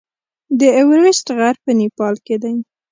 د ایورسټ غر په نیپال کې دی.